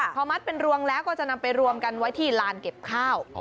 พอมัดเป็นรวงแล้วก็จะนำไปรวมกันไว้ที่ลานเก็บข้าว